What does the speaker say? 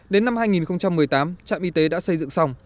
đến năm hai nghìn một mươi tám trạm y tế đã xây dựng xong